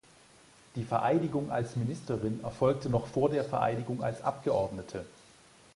Die Vereidigung als Ministerin erfolgte noch vor der Vereidigung als Abgeordnete.